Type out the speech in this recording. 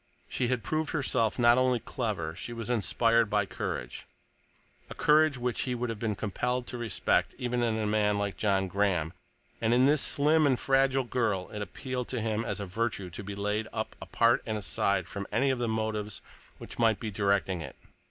She had proved herself not only clever; she was inspired by courage—a courage which he would have been compelled to respect even in a man like John Graham, and in this slim and fragile girl it appealed to him as a virtue to be laid up apart and aside from any of the motives which might be directing it.